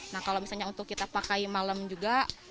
nah kalau misalnya untuk kita pakai malam juga